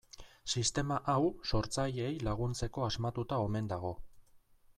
Sistema hau sortzaileei laguntzeko asmatuta omen dago.